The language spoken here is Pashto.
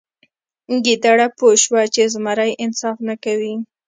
ګیدړه پوه شوه چې زمری انصاف نه کوي.